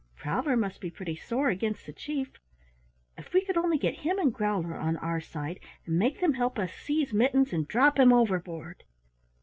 Prowler must be pretty sore against the Chief! If we could only get him and Growler on our side and make them help us seize Mittens and drop him overboard."